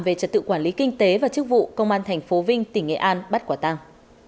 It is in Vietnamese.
về trật tự quản lý kinh tế và chức vụ công an tp vinh tỉnh nghệ an bắt quả tăng